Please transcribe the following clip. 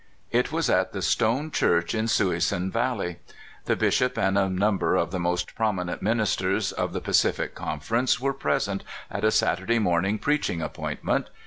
It was at the Stone Church in Sui sun Valley. The Bishop and a number of the most prominent ministers of the Pacific Conference were present at a Saturda3' morning preaching ap pointment.